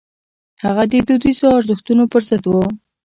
هغه د دودیزو ارزښتونو پر ضد و.